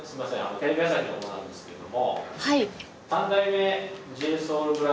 テレビ朝日の者なんですけれども。